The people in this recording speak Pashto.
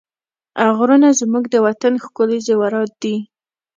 غرونه زموږ د وطن ښکلي زېورات دي.